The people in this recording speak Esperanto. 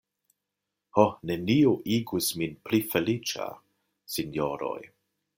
Ho; nenio igus min pli feliĉa, sinjoroj.